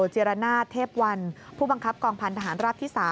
จิรณาเทพวันผู้บังคับกองพันธหารราบที่๓